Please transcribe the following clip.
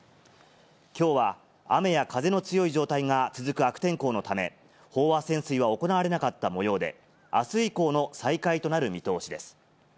きょうは雨や風の強い状態が続く悪天候のため、飽和潜水は行われなかったもようで、あす以降の再開となる見通しです。